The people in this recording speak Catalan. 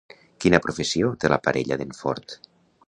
Quina professió té la parella d'en Ford?